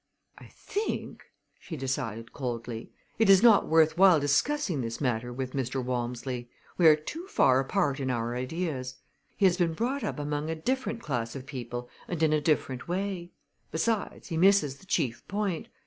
"I think," she decided coldly, "it is not worth while discussing this matter with Mr. Walmsley. We are too far apart in our ideas. He has been brought up among a different class of people and in a different way. Besides, he misses the chief point.